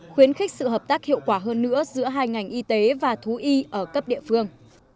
khuyến khích sự hợp tác hiệu quả hơn nữa giữa hai ngành y tế và thú y ở cấp địa phương